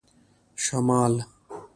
شمال